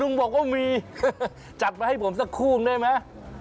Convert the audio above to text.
บอกว่ามีจัดมาให้ผมสักคู่นึงได้ไหม